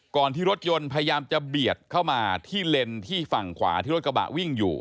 ที่รถยนต์พยายามจะเบียดเข้ามาที่เลนที่ฝั่งขวาที่รถกระบะวิ่งอยู่